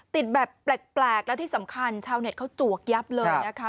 ติดแบบแปลกและที่สำคัญชาวเน็ตเขาจวกยับเลยนะคะ